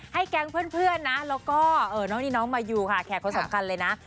ให้แก๊งเพื่อนนะแล้วก็น้องมายูค่ะแค่เขาสำคัญเลยนะ